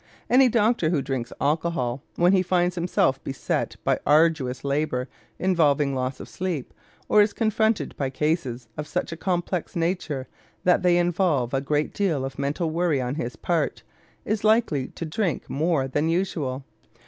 Any doctor who drinks alcohol, when he finds himself beset by arduous labor involving loss of sleep, or is confronted by cases of such a complex nature that they involve a great deal of mental worry on his part, is likely to drink more than usual.